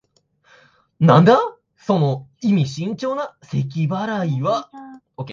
なんだ、その意味深長なせき払いは。